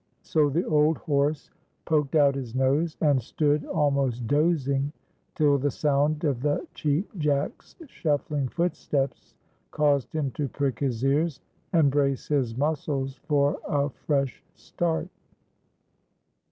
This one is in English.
So the old horse poked out his nose, and stood almost dozing, till the sound of the Cheap Jack's shuffling footsteps caused him to prick his ears, and brace his muscles for a fresh start.